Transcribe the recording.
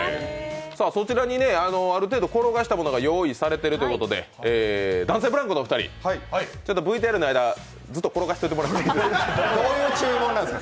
そちらにある程度転がしたものが用意されているということで男性ブランコのお二人、ＶＴＲの間、ずっと転がしてもらっていいですか。